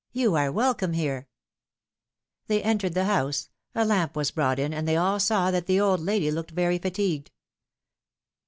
You are welcome here ! They entered the house; a lamp was brought in and they all saw that the old lady looked very fatigued.